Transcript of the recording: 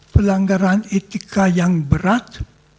pelanggaran etika yang berat